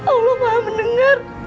allah maha mendengar